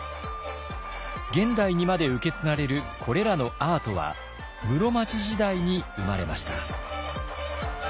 現代にまで受け継がれるこれらのアートは室町時代に生まれました。